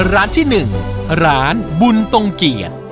ร้านที่หนึ่งร้านบุลตรงเกียร์